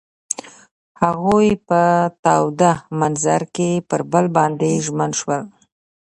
هغوی په تاوده منظر کې پر بل باندې ژمن شول.